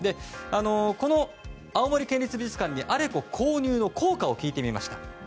この青森県立美術館に「アレコ」購入の効果を聞いてみました。